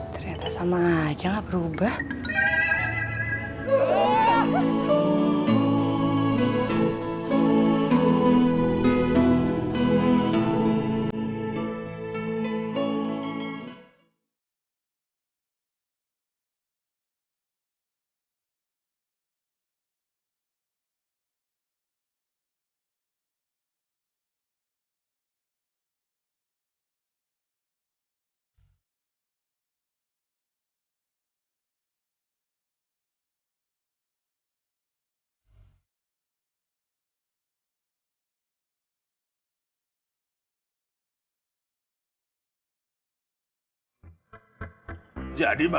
ternyata sama aja gak berubah